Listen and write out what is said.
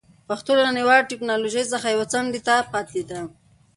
پښتو له نړیوالې ټکنالوژۍ څخه یو څه څنډې ته پاتې ده.